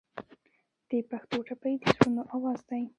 د پښتو ټپې د زړونو اواز دی.